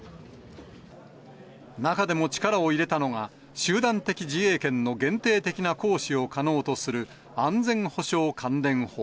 中でも力を入れたのが、集団的自衛権の限定的な行使を可能とする安全保障関連法。